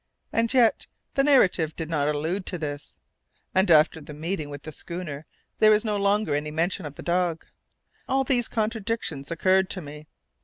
And yet the narrative did not allude to this, and after the meeting with the schooner there was no longer any mention of the dog. All these contradictions occurred to me.